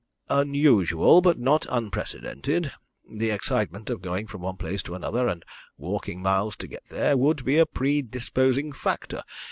"Unusual, but not unprecedented. The excitement of going from one place to another, and walking miles to get there, would be a predisposing factor.